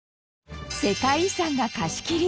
世界遺産が貸し切り。